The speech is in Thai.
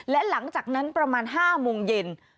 และหลังจากนั้นประมาณ๕โมงเย็น